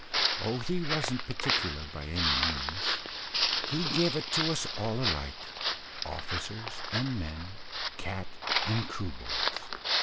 Oh, he wasn't particular by any means; he gave it to us all alike officers and men, cat and Kroo boys.)